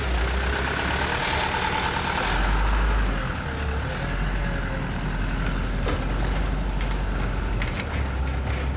biar mbak sumi yang tutup gerbang dua duanya dim